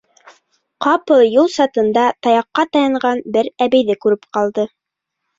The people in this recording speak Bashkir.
Ҡапыл юл сатында таяҡҡа таянған бер әбейҙе күреп ҡалды.